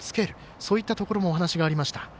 そういったところもお話がありました。